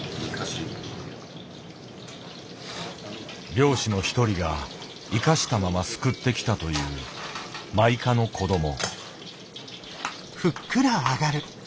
漁師の一人が生かしたまますくってきたというマイカの子ども。